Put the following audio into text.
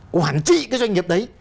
quản trị cái doanh nghiệp đấy